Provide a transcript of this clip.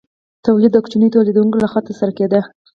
تولید د کوچنیو تولیدونکو لخوا ترسره کیده.